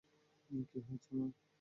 কি হয়েছে মা?